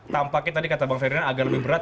tampaknya tadi kata bang ferdinand agak lebih berat